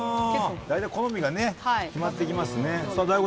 好みが決まってきますね。